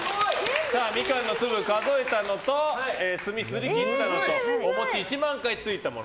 ミカンの粒を数えたのと墨すりきったのとお餅１万回ついたもの。